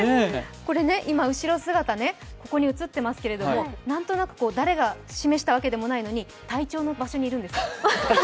これ今、後ろ姿、ここに映っていますけれどもなんとなく誰が示したわけでもないのに隊長の場所にいるんですよ。